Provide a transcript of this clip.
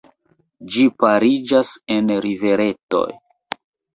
Ĝi pariĝas en riveretoj.